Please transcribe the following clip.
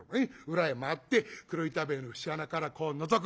裏へ回って黒板塀の節穴からこうのぞく。